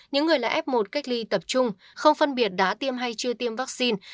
những người là f một cách ly tập trung không phân biệt đã tiêm hay chưa tiêm vaccine